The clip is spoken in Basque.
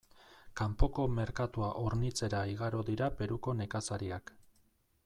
Kanpoko merkatua hornitzera igaro dira Peruko nekazariak.